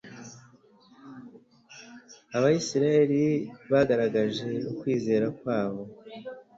Abisirayeli bagaragaje ukwizera kwabo